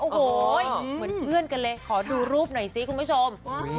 เหมือนเคือล์กันเลยขอดูรูปหน่อยสิคุณผู้ชม